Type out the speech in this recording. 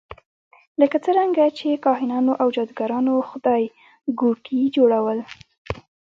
لکه څرنګه چې کاهنانو او جادوګرانو خدایګوټي جوړول.